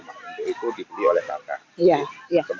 kita apa mengacu itu bujur coleman beragama i empat pdi magnus